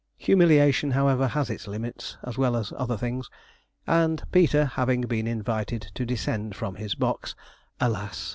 Humiliation, however, has its limits as well as other things; and Peter having been invited to descend from his box alas!